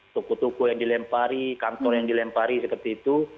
toko toko yang dilempari kantor yang dilempari seperti itu